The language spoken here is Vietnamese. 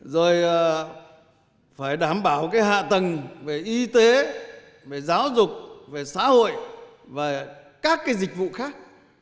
rồi phải đảm bảo cái hạ tầng về y tế về giáo dục về xã hội về các cái dịch vụ khác